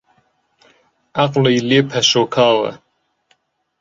عەقڵی لێ پەشۆکاوە